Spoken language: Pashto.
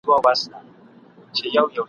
زه په تا پسي ځان نه سم رسولای ..